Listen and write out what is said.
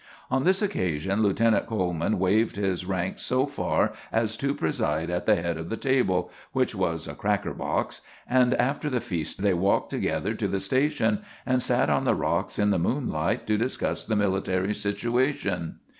On this occasion Lieutenant Coleman waived his rank so far as to preside at the head of the table, which was a cracker box, and after the feast they walked together to the station and sat on the rocks in the moonlight to discuss the military situation.